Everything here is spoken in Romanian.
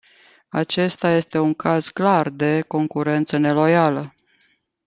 Acesta este un caz clar de concurență neloială.